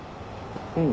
うん。